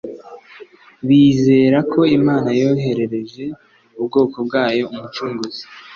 bizera ko Imana yoherereje ubwoko bwayo Umucunguzi.